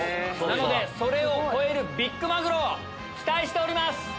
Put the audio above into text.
なのでそれを超えるビッグマグロ期待しております。